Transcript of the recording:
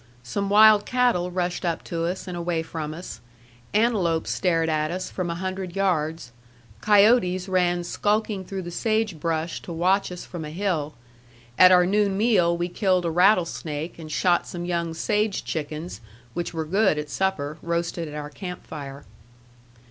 Some wild cattle rushed up to us and away from us; antelope stared at us from a hundred yards; coyotes ran skulking through the sage brush to watch us from a hill; at our noon meal we killed a rattlesnake and shot some young sage chickens, which were good at supper, roasted at our camp fire.